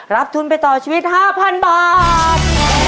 ทุนไปต่อชีวิต๕๐๐๐บาท